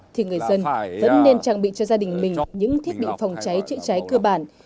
thì người dân vẫn nên trang bị cho gia đình mình những thiết bị phòng cháy chữa cháy cơ bản